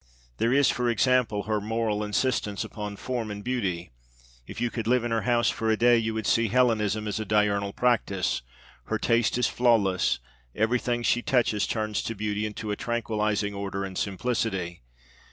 There is, for example, her moral insistence upon form and beauty. If you could live in her house for a day you would see Hellenism as a diurnal practice. Her taste is flawless; everything she touches turns to beauty and to a tranquillizing order and simplicity.